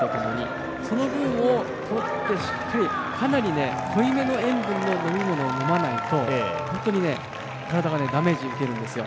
その分をとって、しっかりかなり濃いめの塩分の飲み物を飲まないと本当に体がダメージを受けるんですよ。